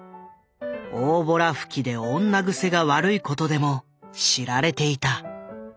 大ぼら吹きで女癖が悪いことでも知られていた。